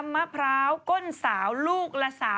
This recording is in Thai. มะพร้าวก้นสาวลูกละ๓๐๐